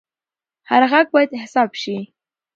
هر غږ باید حساب شي